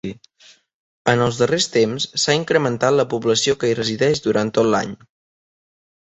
En els darrers temps s'ha incrementat la població que hi resideix durant tot l'any.